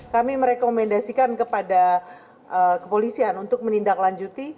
kami merekomendasikan kepada kepolisian untuk menindaklanjuti